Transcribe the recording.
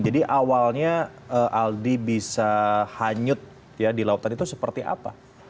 jadi awalnya aldi bisa hanyut di laut tadi itu seperti apa